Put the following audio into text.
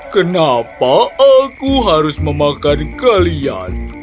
kenapa aku harus memakan kalian